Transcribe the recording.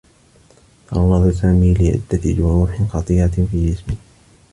تعرّض سامي لعدّة جروح خطيرة في جسمه.